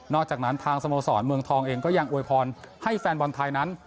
อกจากนั้นทางสโมสรเมืองทองเองก็ยังอวยพรให้แฟนบอลไทยนั้น